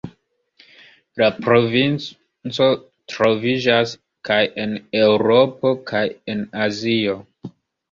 La provinco troviĝas kaj en Eŭropo kaj en Azio.